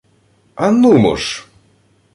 — А нумо ж!